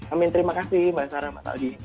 amin terima kasih mbak sara mbak taudi